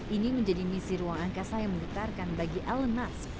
ini menjadi misi ruang angkasa yang menggetarkan bagi elon musk